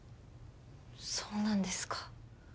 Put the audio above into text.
そうなんですか。